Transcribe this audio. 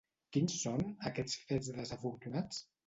Quins són, aquests fets desafortunats?